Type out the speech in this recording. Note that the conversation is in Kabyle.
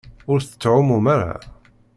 Ur tettɛummum ara?